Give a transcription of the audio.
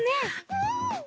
うん！